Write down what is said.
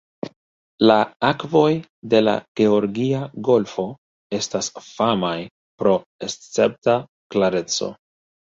La akvoj de la Georgia Golfo estas famaj pro escepta klareco.